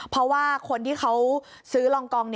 เพราะว่าคนที่เขาซื้อรองกอง